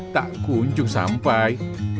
tak kunjung sampai